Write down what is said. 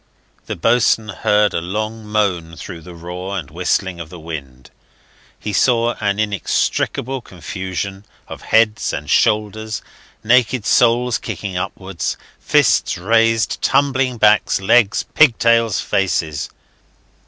The boatswain heard a long moan through the roar and whistling of the wind; he saw an inextricable confusion of heads and shoulders, naked soles kicking upwards, fists raised, tumbling backs, legs, pigtails, faces.